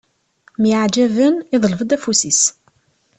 Myaɛjaben, iḍleb-d afus-is.